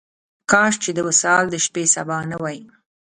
کاش چې د وصال د شپې سبا نه وای.